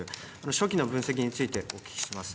初期の分析についてお聞きします。